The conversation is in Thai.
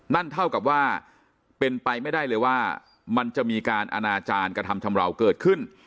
นั่นเท่ากับว่าเป็นไปไม่ได้เลยว่ามันจะมีการอนาจารย์กระทำชำราวเกิดขึ้น